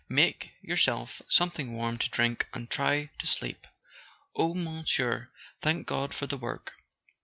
Make yourself something warm to drink, and try to sleep " "Oh, Monsieur, thank God for the work!